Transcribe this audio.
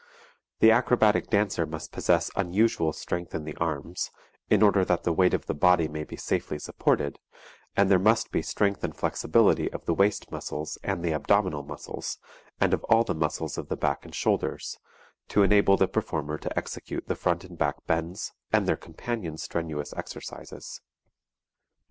The acrobatic dancer must possess unusual strength in the arms, in order that the weight of the body may be safely supported; and there must be strength and flexibility of the waist muscles and the abdominal muscles, and of all the muscles of the back and shoulders, to enable the performer to execute the front and back bends and their companion strenuous exercises.